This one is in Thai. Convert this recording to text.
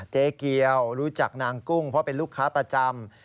เจ๊เกียวรู้จักนางกุ้งเพราะเป็นลูกค้าประจำ